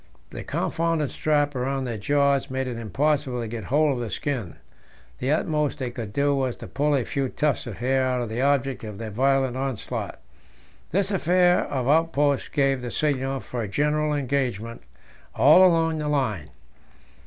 The confounded strap round their jaws made it impossible to get hold of the skin; the utmost they could do was to pull a few tufts of hair out of the object of their violent onslaught. This affair of outposts gave the signal for a general engagement all along the line.